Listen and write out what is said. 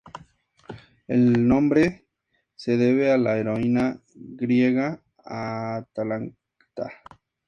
El nombre se debe a la heroína griega Atalanta.